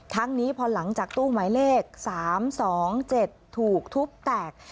นี้พอหลังจากตู้หมายเลข๓๒๗ถูกทุบแตก